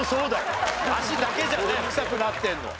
足だけじゃない臭くなってるのは。